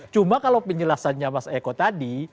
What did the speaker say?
cuma kalau penjelasannya mas eko tadi